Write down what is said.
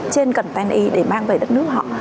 trên content e để mang về đất nước họ